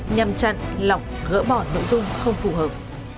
nhằm chặn lỏng gỡ bỏ nội dung không phù hợp